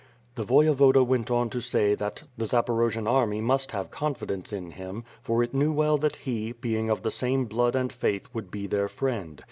The Voyevoda went on to say that "the Zaporojian army must have confidence in him, for it knew well that he, being of the same blood and faith, would be their friend.